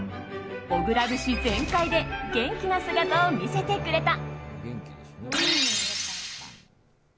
小倉節全開で元気な姿を見せてくれた。